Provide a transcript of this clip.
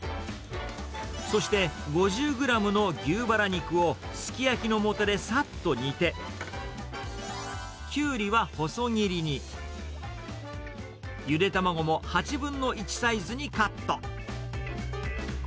そして、５０グラムの牛バラ肉をすき焼きの素でさっと煮て、キュウリは細切りに、ゆで卵も８分の１サイズにカット。